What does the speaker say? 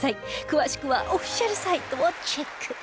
詳しくはオフィシャルサイトをチェック